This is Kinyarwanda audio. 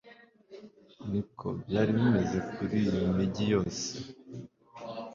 ni ko byari bimeze kuri iyo migi yose